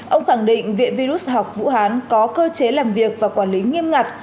ông khẳng định viện virus học vũ hán có cơ chế làm việc và quản lý nghiêm ngặt